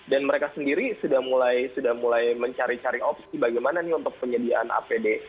dan mereka sendiri sudah mulai mencari cari opsi bagaimana nih untuk penyediaan apd